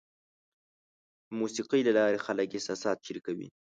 د موسیقۍ له لارې خلک احساسات شریکوي.